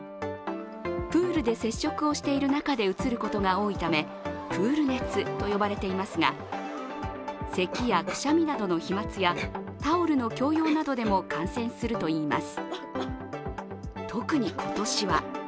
プールで接触をしている中でうつることが多いためプール熱と呼ばれていますが、せきや、くしゃみなどの飛まつやタオルの共用などでも感染するといいます。